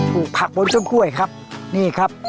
ปลูกผักบนต้นกล้วยครับนี่ครับ